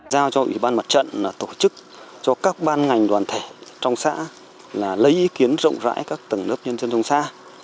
giao cho ủy ban mặt trận tổ chức cho các ban ngành đoàn thể trong xã là lấy ý kiến rộng rãi các tầng lớp nhân dân trong xã